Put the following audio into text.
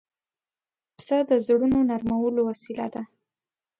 پسه د زړونو نرمولو وسیله ده.